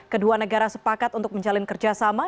kedua negara sepakat untuk menjalin kerjasama